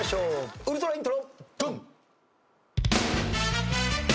ウルトライントロ。